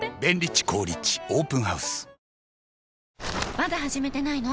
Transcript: まだ始めてないの？